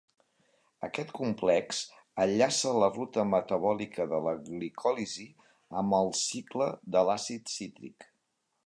Aquest complex enllaça la ruta metabòlica de la glicòlisi amb el cicle de l'àcid cítric.